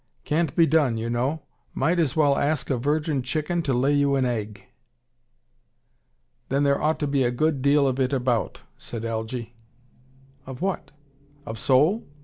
Can't be done you know. Might as well ask a virgin chicken to lay you an egg." "Then there ought to be a good deal of it about," said Algy. "Of what? Of soul?